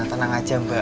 tenang aja mbak